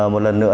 một lần nữa